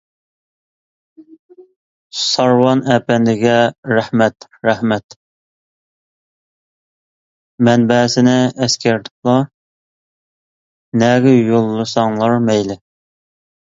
سارۋان ئەپەندىگە رەھمەت رەھمەت، مەنبەسىنى ئەسكەرتىپلا نەگە يوللىساڭلار مەيلى.